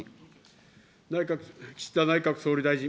岸田内閣総理大臣。